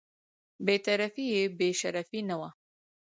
بې طرفي یې بې شرفي نه وه.